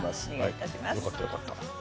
よかったよかった。